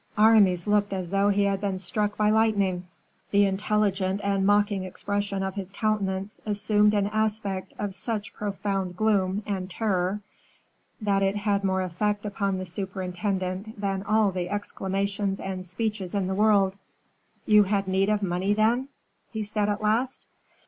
Aramis looked as though he had been struck by lightning; the intelligent and mocking expression of his countenance assumed an aspect of such profound gloom and terror, that it had more effect upon the superintendent than all the exclamations and speeches in the world. "You had need of money, then?" he said, at last.